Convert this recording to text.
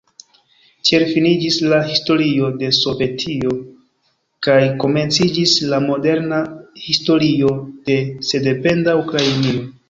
Tiel finiĝis la historio de Sovetio kaj komenciĝis la moderna historio de sendependa Ukrainio.